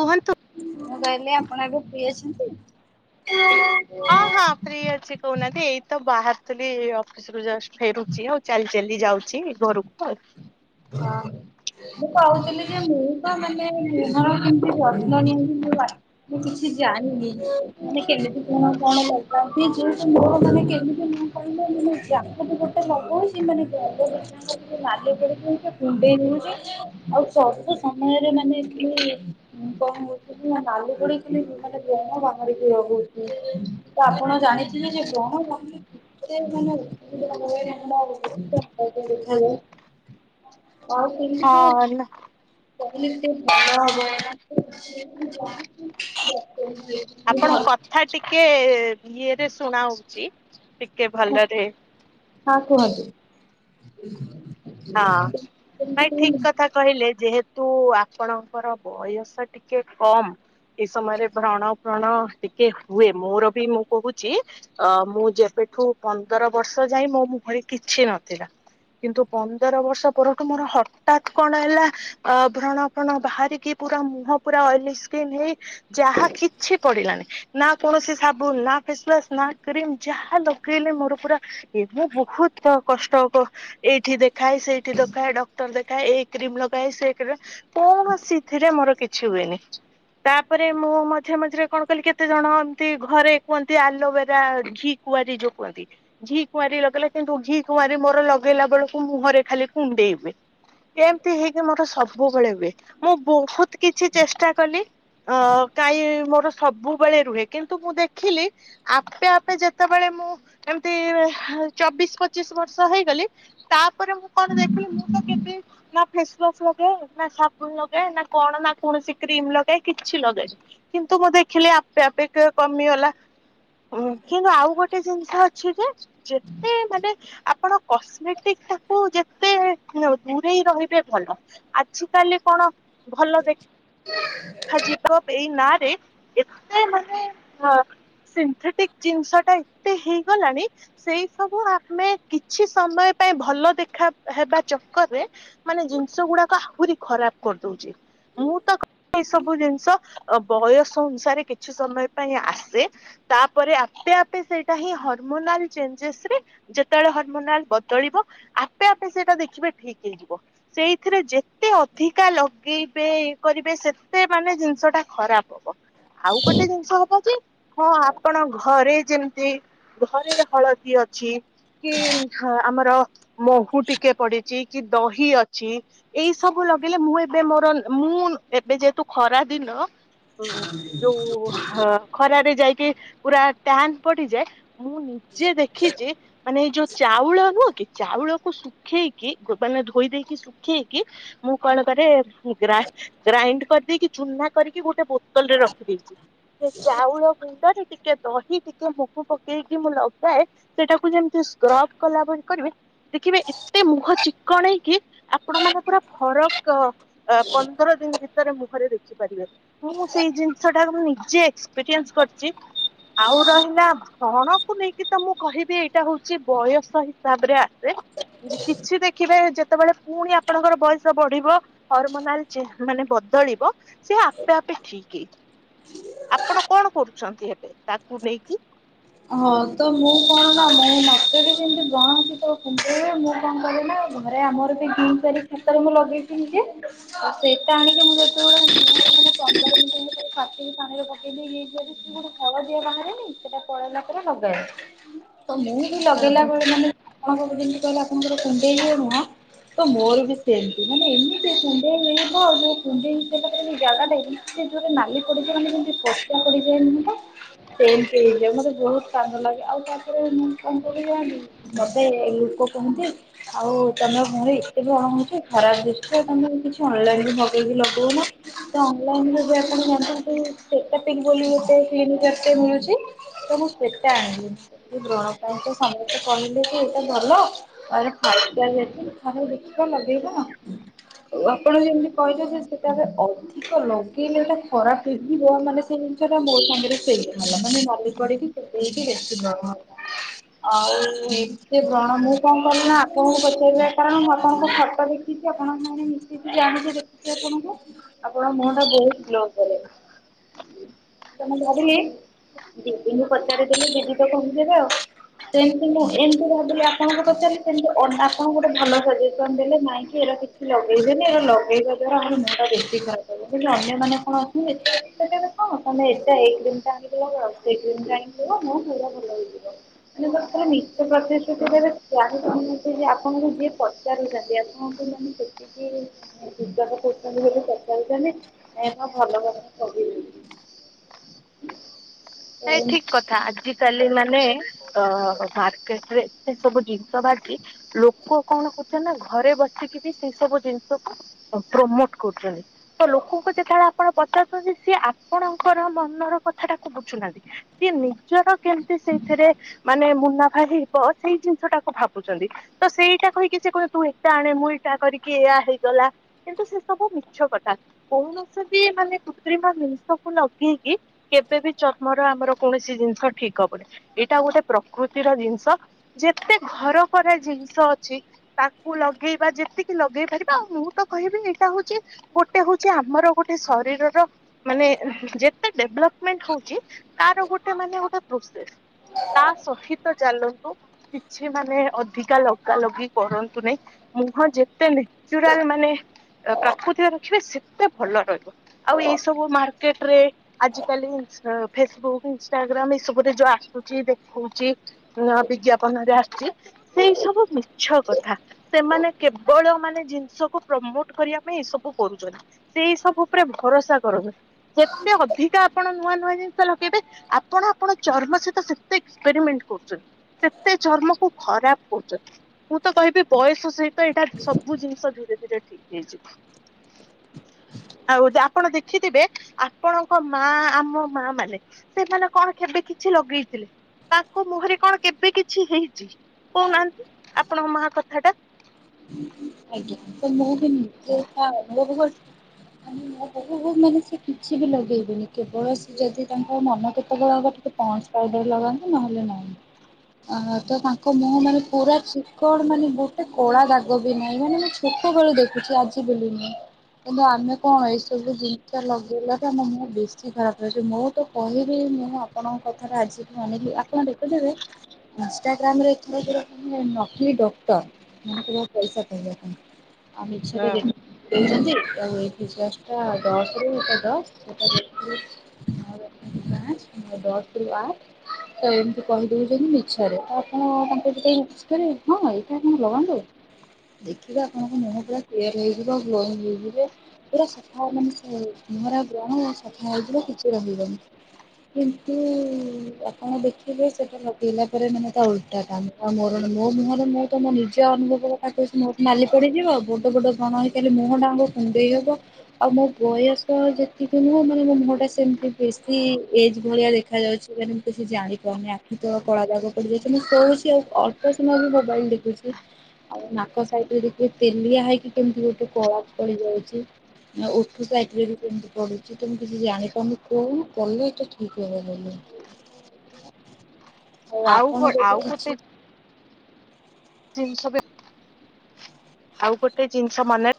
କୁହନ୍ତୁ। ମୁଁ କହିଲି ଆପଣ ଏବେ ଫ୍ରି ଅଛନ୍ତି? ହଁ ହଁ ଫ୍ରି ଅଛି କହୁନାଆନ୍ତି ଏଇ ତ ବାହାରୁଥିଲି ଏଇ ଅଫିସିରୁ ଜଷ୍ ଫେରୁଚି ଆଉ ଚାଲି ଚାଲି ଯାଉଛି ଘରୁକୁ ଆଉ। ହଁ। ମୁଁ କହୁଥିଲି ଯେ ମୁଁ ତ ମାନେ ମୁଁହର କେମତି ଯତ୍ନ ନିଅନ୍ତି ମୁଁ ଜା ମୁଁ କିଛି ଜାଣିନି ମାନେ କେମିତି କଣ କଣ ଲଗାନ୍ତି ଯୋଉ ତ ମୁଁହ ମାନେ କେମିତି ମୁଁହ କହିଲ ମାନେ ଯାହା ବି ଗୋଟେ ଲଗଉଛି ମାନେ ଗାଲ ଦିଟା ଆଙ୍କ ଯିନ୍ତି ନାଲି ପଡିକି ନା କୁଣ୍ଡେଇ ହଉଚି ଆଉ ସବୁ ସମୟରେ ମାନେ ଏଠି ଉଁ କଁ ହଉ ଏବେ ସିନା ନାଲି ପଡିକି ଖାଲି ଉଁ ମାନେ ବ୍ରଣ ବାହାରରିକି ରହୁଛି ତ ଆପଣ ଜାଣି ଥିବେ ଯେ ବ୍ରଣ [unintelligible] [unintelligible] ହଁ ନା [unintelligible] [unintelligible] ଆପଣଙ୍କ କଥା ଟିକେ ଇଏରେ ଶୁଣା ହଉଛି ଟିକେ ଭଲରେ ହଁ କୁହନ୍ତୁ ହଁ ନାଇଁ ଠିକ [inaudible] କଥା କହିଲେ ଯେହେତୁ ଆପଣଙ୍କର ବୟସ ଟିକେ କମ୍ ଏଇ ସମୟରେ ବ୍ରଣ ଫ୍ରଣ ଟିକେ ହୁଏ ମୋର ବି ମୁଁ କହୁଚି ଅ ମୁଁ ଯେବେଠୁ ପନ୍ଦର ବର୍ଷ ଯାଏ ମୋ ମୁହଁରେ କିଛି ନଥିଲା କିନ୍ତୁ ପନ୍ଦର ବର୍ଷ ପରଠୁ ମୋର ହଟାତ୍ କଣ ହେଲା ଆଉ ବ୍ରଣ ଫ୍ରଣ ବାହାରିକି ପୁରା ମୁହଁ ପୁରା ଅଏଲି ସ୍କିନ୍ ହେଇ ଯାହା କିଛି ପଡିଲାନି। ନା କୌଣସି ସାବୁନ୍ ନା ଫେସୱାସ୍ ନା କ୍ରିମ୍ ଯାହା ଲଗେଇଲେ ମୋର ପୁରା ଇଏ ମୁଁ ବୋହୁତ କ କଷ୍ଟ କ ଏଇ ଠି ଦେଖାଏ ସେଇଠି ଦେଖାଏ ଡକ୍ଟର ଦେଖାଏ ଏଇ କ୍ରିମ୍ ଲଗାଏ ସେ କ୍ରି କୌଣସି ଥିରେ ମୋର କିଛି ହୁଏନି। ତାପରେ ମୁଁ ମଝିରେ ମଝିରେ କଣ କଲିି କେତେ ଜଣ ଏମତି ଘରେ କୁହନ୍ତି ଆଲୋବେରା ଘି କୁଆରୀ ଯୋଉ କୁହନ୍ତି ଘି କୁଆଁରୀ ଲଗେଇଲେ କିନ୍ତୁ ଘି କୁଆଁରୀ ମୋର ଲଗେଇଲା ବେଳୁ କୁ ମୁହଁରେ ଖାଲି କୁଣ୍ଡେଇ ହୁଏ। ଏମତି ହେଇକି ମୋରେ ସବୁବେଳେ ହୁଏ, ମୁଁ ବହୁତ କିଛି ଚେଷ୍ଟା କଲି ଅ କାଇଁ ମୋର ସବୁବେଳେ ରୁହେ, କିନ୍ତୁ ମୁଁ ଦେଖିଲି ଆପେ ଆପେ ଯେତେବେଳେ ମୁଁ ଏମତି ଚବିଶ ପଚିଶ ବର୍ଷ ହେଇଗଲି ତାପରେ ମୁଁ କଣ ଦେଖିଲି ମୁଁ ତ କେବେ ନା ଫେସୱାଶ ଲଗାଏ, ନା ସାବୁନ ଲଗାଏ, ନା କଣ ନା କୌଣସି କ୍ରିମ ଲଗାଏ କିଛି ଲଗାଏନି। କିନ୍ତୁ ମୁଁ ଦେଖିଲି ଆପେ ଆପେ କେ କମିଗଲା। ହଁ କିନ୍ତୁ ଆଉ ଗୋଟେ ଜିନିଷ ଅଛି ଯେ ଯେତେ ମାନେ ଆପଣ କସ୍ମେଟିକ୍ ଟାକୁ ଯେତେ ଦୂରେଇ ରହିବେ ଭଲ, ଆଜିକାଲି କଣ ଭଲ ଦେକ୍ ଖାଯିବ ଏଇ ନାଁ ରେ ଏତେ ମାନେ ଅ ସିନ୍ଥେଟିକ୍ ଜିନିଷଟା ଏତେ ହେଇଗଲାଣି ସେଇ ସବୁ ଆମେ କିଛି ସମୟ ପାଇଁ ଭଲ ଦେଖା ହେବା ଚକ୍କରରେ ମାନେ ଜିନିଷ ଗୁଡାକ ଆହୁରି ଖରାପ କରିଦଉଛି ମୁଁ ତ କ ଏଇ ସବୁ ଜିନିଷ ବୟସ ଅନୁସାରେ କିଛି ସମୟ ପାଇଁ ଆସେ ତାପରେ ଆପେ ଆପେ ସେଇଟା ହିଁ ହରମୋନାଲ ଚେଞ୍ଜେସରେ ଯେତେବେଳେ ହରମୋନାଲ ବଦଳିବ ଆପେ ଆପେ ସେଇଟା ଦେଖିବେ ଠିକ ହେଇଯିବ। ସେଇଥିରେ ଯେତେ ଅଧିକା ଲଗେଇବେ ଇଏ କରିବ ବେ ସେତେ ମାନେ ଜିନିଷଟା ଖରାପ ହବ ଆଉ ଗୋଟେ ଜିନିଷ ହବ ଯେ ହଁ ଆପଣ ଘରେ ଯେମିତି ଘରେ ହଳଦୀ ଅଛି କି ହଁ ଆମର ମହୁ ଟିକେ ପଡେ ଚି କି ଦହି ଅଛି ଏଇ ସବୁ ଲଗେଇଲେ ମୁଁ ଏବେ ମୋର ମୁଁ ଏବେ ଯେହେତୁ ଖରା ଦିନ ଉଁ ଏ ଯୋଉ ହା ଖରାରେ ଯାଇକି ପୁରା ଟ୍ୟାନ ପଡିଯାଏ ମୁଁ ନିଜେ ଦେଖିଛି ମାନେ ଏଇ ଯୋଉ ଚାଉଳ ନୁଅ କି ଚାଉଳକୁ ଶୁ ଖେଇକି ଗୋ ମାନେ ଧୋଇ ଦେଇକି ଶୁଖେଇକି ମୁଁ କଣ କରେ ଗ୍ରା ଗ୍ରାଇଣ୍ଡ କରିଦେଇକି ଚୁନା କରିକି ଗୋଟେ ବୋତଲରେ ରଖିଦେଇଛି। ସେ ଚାଉଳ ଗୁଣ୍ଡରେ ଟିକେ ଦହି ଟିକେ ମୁଗ ପକେଇକି ମୁଁ ଲଗାଏ ସେଇଟାକୁ ଯେମତି ସ୍କ୍ରବ କଲା ଭଳି କରିବେ ଦେଖିବେ ଏତେ ମୁହଁ ଚିକଣେଇକି ଆପଣମାନେ ପୁରା ଫରକ ଅ ପନ ପନ୍ଦର ଦିନ ଭିତରେ ମୁହଁରେ ଦେଖିପାରିବେ। ମୁଁ ସେଇ ଜିନିଷଟା କୁ ମୁଁ ନିଜେ ଏକ୍ସପିରିଏନ୍ସ କରିଛି ଆଉ ରହିଲା ବ୍ରଣକୁ ନେଇକି ତ ମୁଁ କହିବି ଏଇଟା ହଉଛି ବୟସ ହିସାବରେ ଆସେ। ଯେ କିଛି ଦେଖିବେ ଯେତେବେଳେ ପୁଣି ଆପଣଙ୍କର ବୟସ ବଢିବ ହରମୋନାଲ ଯେ ମାନେ ବଦଳିବ ସେ ଆପେ ଆପେ ଠିକ କି ଆପଣ କଣ କରୁଛନ୍ତି ଏବେ ତାକୁ ନେଇକି? ହଁ ତ ମୁଁ କଣ ନା ମୁଁ ମୋତେ ବି ସେମିତି ବ୍ରଣ ଯେତେବେଳେ କୁଣ୍ଡେଇ ହୁଏ ମୁଁ କଣ କରେ ନା ଥରେ ଆମର ସେଇ ଗ୍ରୀନ କଲର୍ ଖାତାରେ ମୁଁ ଲଗେଇଥିଲି ଯେ ଆଉ ସେଇଟା ଆଣିକି ମୁଁ ଯେତେବେଳେ ମୁହଁରେ ମାନେ ପନ୍ଦର ମିନିଟ ଏମତି ସବୁ ଛାଟିକି ପାଣିରେ ପକେଇ [unintelligible] ଇଏ ଜରି ଭିତରୁ ଗୋଟେ ହଳଦିଆ ବାହାରେନି ସେଟା ପଳେଇଲା ପରେ ଲଗାଏ ତ ମୁଁ ବି ହୁଁ ଲଗେଇଲା ହୁଁ। ବେଳେ ମାନେ ଆପଣ ତ ଯେମିତି କହିଲେ ଆପଣଙ୍କର କୁଣ୍ଡେଇ ହୁଏ ନୁହଁ ତ ମୋର ବି ସେମିତି ମାନେ ଏମିତିଆ କୁଣ୍ଡେଇ ହେଇବ ଆଉ ଯୋଉ କୁଣ୍ଡେଇ [unintelligible] ସେ ଜାଗାଟା ଏମ୍ ଏତେ ଜୋରେ ନାଲି ପଡିଯାଏ ମାନେ ଯେମତି ପଚ୍ଚା ପଡିଯାଏ ଯାଏନି [unintelligible] ସେମତି ହେଇ ଯେ ମୋତେ ବହୁତ କାନ୍ଦ ଲାଗେ ଆଉ ତାପରେ ମୁଁ କଣ [unintelligible] ମୋତେ ଲୁକ କୁହନ୍ତି ଆଉ ତମ ଘରେ ଏତେ ବ୍ରଣ ହଉଛି ଖରାପ ଦୃଶ ଆଉ ତମେ କିଛି ଅନଲାଇନ ବି ମଗେଇକି ଲଗଉନ। ତ ଅନଲାଇନ ଯ ଆପଣ [unintelligible] ସେ ମିଳୁଛି। ତ ମୁଁ ସେତେ ଆଣିଲି ବ୍ରଣ ପାଇଁ ତ ସମସ୍ତେ କହିଲେ କି ଏଇଟା ଭଲ। [unintelligible] ଦୁଃଖ ଲଗେଇବ ଆ ଆପଣ ଯେମିତି କହିଲ ଯେ ସେଟାରେ ଅଧିକ ଲଗେଇଲେ ସେଟା ଖରାପ ହେଇଯିବ ମାନେ। ସେ ଜିନିଷଟା ମୋ ସାଙ୍ଗରେ ସେଇଟା ହେଲା ମାନେ ନାଲି ପଡିକି କୁଣ୍ଡେଇକି ସେଟେଇକି ଆଉ ଯେ ବ୍ରଣ ମୁଁ କଣ କଲିି ନା ଆପଣଙ୍କୁ ପଚାରିବା କାରଣ ମୁଁ ଆପଣଙ୍କ ଛଟ ଦେ ଦେଖଛି ଆପଣଙ୍କ ମ ମିଶିକି ଜାଣିଛି ଦେଖୁଛି ଆପଣଙ୍କୁ। ଆପଣ ମୁହଁ ଟା ବହୁତ ଗ୍ଲୋ କରେ ତ ମୁଁ ଭାବିଲି ଦିଦି ମୁ ପଚାରିଦି ଦିଦି ତ କଣ ଯିବେ ଆଉ ସେମତି ମୁଁ ଏମିତି ଭାବିଲି ଆପଣଙ୍କୁ ପଚାରିଲି ସେମତି ଆପଣଙ୍କୁ ଗୋଟେ ଭଲ ସଜେସନ ଦେଲେ ନାଇଁକି ଏ କି ଲଗେଇଦେନି ଲଗେଇବା ଦ୍ଵାରା ଆମର ମୁହଁ ଟା ବେଶୀ ଖରାପ ହିବ କିନ୍ତୁ ଅନ୍ୟମାନୋନ କଣ ଅଛନ୍ତି। ହଁ ତମେ ଏ ଏ ଟା ଆଦା ଆଦେ ମୋ ଖଇା ଭଲ ହେଇଯିବ ମାନେ ଆର ମିଛ ପ୍ରତିଶ୍ରୁତି କରିବାରେ ଯାହା କହୁନେ ଯେ ଆପଣଙ୍କୁ ଯିଏ ପଚାରୁଛନ୍ତି ଆପଣଙ୍କୁ ଜେ ସେ ଯୂଜକ କରୁଛନ୍ତି ବୋଲି ପଚାରୁଛନ୍ତି ଭଲ ଭ ସେଇ ବୋଲି। ଠିକ କଥା। ଆଜିକାଲି ମାନେ ଅ ମାର୍କେଟ ରେ ଏତେ ସବୁ ଜିନିଷ ବାଜି ଲୋକ କଣ କରୁଛନ୍ତି ନା ଘରେ ବସିକି ବି ସେଇ ସବୁ ଜିନିଷକୁ ପ୍ରମୋଟ କରୁଛନ୍ତି। ତ ଲୋକଙ୍କୁ ଯେତେବେଳେ ଆପଣ ପଚାରୁଛନ୍ତି ସିଏ ଆପଣଙ୍କର ମନର କଥାଟାକୁ ବୁଝୁନାହାନ୍ତି। ସିଏ ନିଜର କେମିତି ସେଇଥିରେ ମାନେ ମୁନାଫା ହେଇବ। ସେଇ ଜିନିଷ ଟାକୁ ଭାବୁଛନ୍ତି। ତ ସେଇଟା କହିକି ସେ କହିଲ ତୁ ଏଟା ଆଣେ ମୁଁ ଏଇଟା କରିକି ଏୟା ହେଇଗଲା। କିନ୍ତୁ ସେ ସବୁ ମିଛ କଥା। କୌଣସି ବି ମାନେ କୃତ୍ରିମା ମିନଷକୁ ଲଗେଇକି କେବେ ବି ଚର୍ ଆମର ଆମର କୌଣସି ଜିନିଷ ଠିକ ହବନି ଏଇଟା ଗୋଟେ ପ୍ରକୃତିର ଜିନିଷ। ଯେତେ ଘର ପରେ ଜିନିଷ ଅଛି। ତାକୁ ଲଗେଇବା ଯେତିକି ଲଗେଇ ପାରିବା ଆଉ ମୁଁ ତ କହିବି ଏଇଟା ହଉଛି। ଗୋଟେ ହଉଛି ଆମର ଗୋଟେ ଶରୀରର ମାନେ ଯେତେ ଡେଭଲପମେଣ୍ଟ ହଉଛି। ତାର ଗୋଟେ ମାନେ ଗୋଟେ ପ୍ରୋସେସ ତା ସହିତ ଚାଲନ୍ତୁ। କିଛି ମାନେ ଅଧିକା ଲଗା ଲଗି କରନ୍ତୁ ନାଇଁ। ମୁହଁ ଯେତେ ନେଚୁରାଲ ମାନେ ପ୍ରାକୃତିକ ରଖିବେ ସେତେ ଭଲ ରହିବ। ଆଉ ଏଇ ସବୁ ମାର୍କେଟ ରେ ଆଜିକାଲି [inaudible] ଫେସବୁକ୍ ଇନଷ୍ଟାଗ୍ରାମ ଏଇ ସବୁରେ ଯୋଉ ଆସୁଛି ଦେଖଉଛି। ନା ବିଜ୍ଞାପନରେ ଆସିଛି ସେଇ ସବୁ ମିଛ କଥା। ସେମାନେ କେବଳ ମାନେ ଜିନିଷକୁ ପ୍ରମୋଟ କରିବା ପାଇଁ ଏଇ ସବୁ କରୁଛନ୍ତି। ସେଇ ସବୁ ଉପରେ ଭରସା କରନ୍ତୁ ଯେତେ ଅଧିକା ଆପଣ ନୂଆ ନୂଆ ଜିନି ଲଗେଇବେ ଆପଣ ଆପଣ ଚର୍ମ ସହିତ ସେତେ ଏକ୍ସପେରିମେଣ୍ଟ କରୁଛନ୍ତି। ସେତେ ଚର୍ମକୁୁ ଖରାପ କରୁଛନ୍ତି। ମୁଁ ତ କହିବି ବୟସ ସହିତ ଏଇଟା ସବୁ ଜିନିଷ ଧୀରେ ଧୀରେ ଠିକ ହେଇଯିବ। ଆଉ ଯେ ଆପଣ ଦେଖିଥିବେ ଆପଣଙ୍କ ମା ଆମ ମା ମାନେ। ସେମାନେ କଣ କେବେ କିଛି ଲଗେଇଥିଲେ ତାଙ୍କ ମୁହଁରେ କଣ କେବେ କିଛି ହେଇଛି। କହୁନାହାନ୍ତି ଆପଣଙ୍କ ମା କଥା ଟା। ଆଜ୍ଞା ତ ମୁଁ ବି ମୁ [inaudible] ମାନେ ହଉ ମାନେ ସେ କିଛି ବି ଲଗେଇବେନି କେବଳ ସେ ଯଦି ତାଙ୍କ ମନ କେତେବେଳ ହବ [inaudible] ପହସ ପାଉଡର ଲଗାନ୍ତୁ ନହଲେ ନାହାଁ। ଆ ତ ତାଙ୍କ ମୁହଁ ମାନେ ପୁରା ଚିକଡ ମାନେ ଗୋଟେ କଳା ଦାଗ। ଗ ବି ନାହିଁ ମାନେ ମୁଁ ଛୋଟବେଳୁ ଦେଖୁଛି ଆଜି ବୁଲିନି। କିନ୍ତୁ ଆମେ କଣ ଏଇସବୁ ଜିନିଷ ଲଗେଇଲା ତ ଆମ ମୁହଁ ବେଶୀ ଖରାପ ଲାଗୁଛି ମୋ ତ କହିବି ମୁଁ ଆପଣଙ୍କ କଥାରେ ଆଜିିକ ଅନେଇଲି ଆପଣ ଦେଖୁଦେବେ। ଇଷ୍ଟ ଇାଗ୍ରାମ ରେ କିଏ କିଏ ନକ୍ଲି ଡକ୍ଟର ମାନେ ପଇସା ପଇବା ପାଇଁ ହୁଁ। ଆମେଛରେ ଦେ ଦେଇ ଯେମିତି [unintelligible] ଦଶଟା ଦଶ ରଟା ଦଶଟଶ [unintelligible] ଦଶ ରରୁ ଆ [unintelligible] ତ ଏମିତି କହିଦଉଛନ୍ତି ମିଛରେ ତ ଆପଣ ତାଙ୍କୁ ଟିକେ ମିକସ କରିବ ହଁ ଏଇଟା ଆପଣ ଲଗାନ୍ତୁ। ଦେଖିବେ ଆପଣଙ୍କ ମୁହଁ ପୁରା ପ୍ଲାମ ହେଇଯିବ ଗ୍ଲେନ ହେଇଯିବ ପୁରା ସଫା ମାନେ [unintelligible] ମୁଁହରେ ବ୍ରଣ ଆଉ ସଫା ହେଇ ପୁରା କିଛି ରହିବନି କିନ୍ତୁ ଆପଣ ଦେଖିଲେ ସେଟା ଲଗେଇଲା ପରେ ମାନେ ତା ଓଲଟା ଟା। ଆଉ ମୋର ମୋ ମୁହରେ ମୁଁ ତମ ନିଜେ ଅନୁଭ ମୋ ପାଟିରୁ ସିନା ନାଲି ପଡିଯିବ ବଡ ବଡ [unintelligible] ହେଇଥିଲେ ମୁହଁ ଟାଙ୍କ କୁଣ୍ଡେଇ ହବ। ଆଉ ମୋ ବୟସ ଯେତିକି ନୁହଁ ମାନେ ମୋ ମୁହଁଟା ସେମିତି ବେଶୀ ଏଜ ଭଳିଆ ଦେଖାଯାଉଛି। କିଛି ଜାଣିପାରୁନି ଆଖି ତ କଳା ଦାଗ ପଡ଼ିଯାଇଛି ମୁଁ ଶୋଉଛି ଆଉ ଅଳ୍ପ ସମୟ ବି ମୋବାଇଲ ଦେଖୁଛି। ଆଉ ନାକ ସାଇଡରେ ଦେଖିବେ ତେଲିଆ ହେଇକି କେମିତି ଗୋଟେ କଳା ପଡି ଯାଇଚି। ଉଠୁ ସାଇଟରେ ବି କେମିତି ପଢୁଛି ତ ମୁଁ କିଛି ଜାଣିପାରୁନି କହୁନ କଲେ ଏଇଟା ଠିକ ହେବ ବୋଲି। ଆଉ ଆପଣ କ ଯଦି ଆଉ କିଛି ଗୋଟେ ଜିନିଷବି ଆଉ ଗୋଟେ ଜିନିଷ ମନେ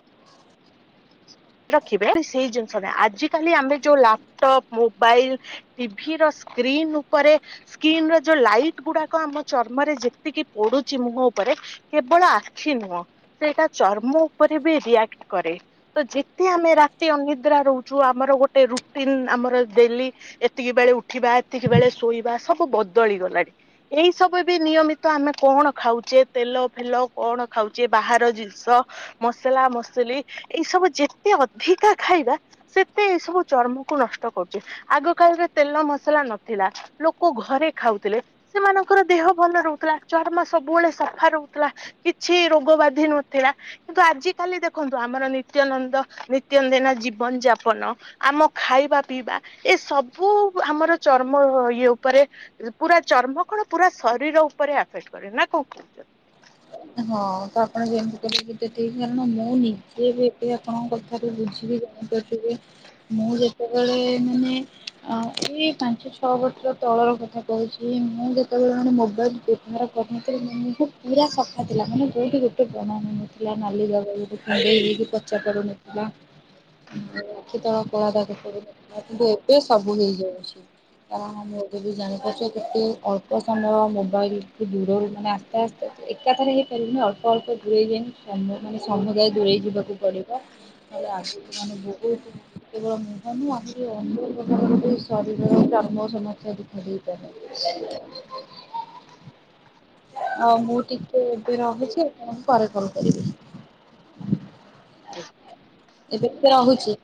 ରଖିବେ ସେଇ ଜିନିଷ ଟା ଆଜି କାଲି ଆମେ ଯୋଉ ଲାପଟପ୍ ମୋବାଇଲ ଟିଭିର ସ୍କ୍ରକ୍ରନ୍ ଉପରେ ସ୍କିିନ ର ଯୋଉ ଲାଇଟ ଗୁଡାକ ଆମ ଚର୍ମରେ ଯେତିକି ପଡୁଛି ମୁହଁ ଉପରେ। କେବଳ ଆଖି ନୁହଁ ସେଇଟା ଚର୍ମ ଉପରେ ବି ରିଆକ୍ଟ କରେ ତ ଯେ ଏତେ ଆମେ ରାତି ଅନିଦ୍ରା ରହୁଛୁ ଆମର ଗୋଟେ ରୁଟିନ ଆମର ଡେଲି ଏତିକି ବେଳେ ଉଠିବା ଏତିକି ବେଳେ ଶୋଇବା ସବୁ ବଦଳି ଗଲାଣି ଏଇ ସବୁ ବି ନିୟମିତ ଆମେ କଣ ଖାଉଛେ ତେଲ ଫେଲ କଣ ଖାଉଛେ ବାହାର ଜିନିଷ ମସଲା ମସଲି ଏଇ ସବୁ ଯେତେ ଅଧିକା ଖାଇବା ସେତେ ଏଇ ସବୁ ଚର୍ମକୁୁ ନଷ୍ଟ କରୁଛି ଆଗ କାଳରେ ତେଲ ମସଲା ନଥିଲା ଲୋକ ଘରେ ଖାଉଥିଲେ ସେମାନଙ୍କର ଦେହ ଭଲ ରହୁଥିଲା ଚର୍ମା ସବୁବେଳେ ସଫା ରହୁଥିଲା କିଛି ରୋଗ ବାଧି ନଥିଲା କିନ୍ତୁ ଆଜି କାଲି ଦେଖନ୍ତୁ ଆମର ନିତ୍ୟ ନନ୍ଦ ନିତ୍ୟନ୍ଦିନ ଜୀବନ ଯାପନ ଆମ ଖାଇବା ପିଇବା ଏ ସବୁ ଆମର ଚର୍ମ ଇଏ ଉପରେ ପୁରା ଚର୍ମ କଣ ପୁରା ଶରୀର ଉପରେ ଏଫେକ୍ଟ କରେ ନା କଣ କହୁଛ ହଁ ତ ଆପଣ ଯେମିତି କେତେ ଠିକ କାରଣ ମୁଁ ନିଜେ ବି ଏବେ ଆପଣଙ୍କ କଥାରୁ ବୁଝିବି ଜାଣିପାରିବି ଥିବେ ମୁଁ ଯେତେବେଳେ ମାନେ ଏଇ ପାଞ୍ଚ ଛଅ ବର୍ଷର ତଳର କଥା କହୁଛି ମୁଁ ଯେତେବେଳେ ମାନେ ମୋବାଇଲ ବ୍ୟବହାର କରିନଥିଲି [unintelligible] ପୁରା ଥିଲା ମାନେ ଗୋଇଠି ଗୋଟେ ବନନଥିଲା ନାଲି ଦବା ଖଣ୍ଡେ ହେଇକି ପଚା କରୁନଥିଲା ଆଖୀ ତଳ କଳା ଦାଗ ପଡିଥିବା କିନ୍ତୁ ଏବେ ସବୁ ହେଇଯାଉଛି କାରଣଁ ମୁଁ ଏବେ ବି ଜାଣିପାରୁଛ କେତେ ଅଳ୍ପ ସମୟ ମୋବାଇଲ କୁ ଦୂରରୁ ମାନେ ଆସ୍ତେ ଆସ୍ତେ ଏକା ଥରେ ହେଇପାରିଲନି ଅଳ୍ପ ଅଳ୍ପ ଦୂରେଇ ଯାଇ ସମ୍ ମାନେ ସମଦାୟ ଦୂରେଇ ଯିବାକୁ ପଡିବ ଏ ଆସ ମାନେ ବହୁ କେବଳ ମୁହ ନୁହଁ ଆହୁରି ଅନ୍ୟ ପ୍ରକାର ଶରୀର ଚର୍ମ ସମସ୍ୟା ଦେଖାଦେଇପାରେ। [inaudible] ହଁ ମୁଁ ଟିିକି୍ ଏବେ ରହୁଛି ପରେ କଲ କରିବି। ଯେ। ଏବେ ତ ରହୁଛି।